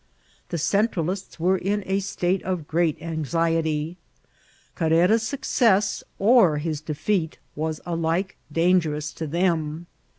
The Centralists were in a state of great anxiety ; Carrera's success or his d^ feat was alike dangerous to them.